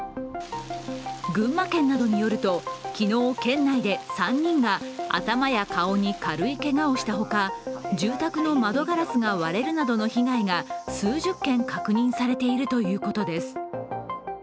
群馬県などによりますと昨日県内で３人が頭や顔に軽いけがをしたほか、住宅の窓ガラスが割れるなどの被害が数十件確認されているということです。